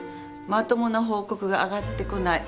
まともな報告が上がってこない。